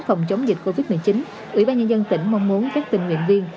phòng chống dịch covid một mươi chín ủy ban nhân dân tỉnh mong muốn các tình nguyện viên